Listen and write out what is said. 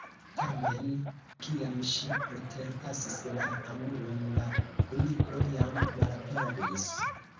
Tamen, kiam ŝi preterpasis la angulon, la kuniklo jam malaperis.